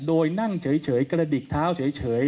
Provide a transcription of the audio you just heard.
โดยนั่งเฉยกระดิกเท้าเฉย